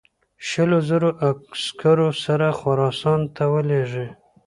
شلو زرو عسکرو سره خراسان ته ولېږي.